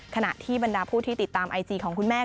ขณะที่บรรดาผู้ที่ติดตามไอจีของคุณแม่